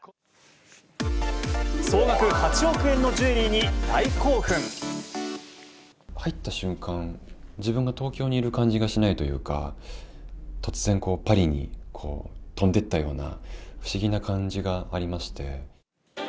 総額８億円のジュエリーに大入った瞬間、自分が東京にいる感じがしないというか、突然、パリに飛んでったような不思議な感じがありまして。